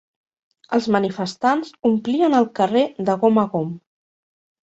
Els manifestants omplien el carrer de gom a gom.